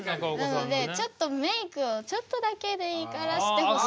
なのでちょっとメイクをちょっとだけでいいからしてほしい。